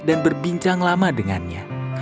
dan berbincang lama dengannya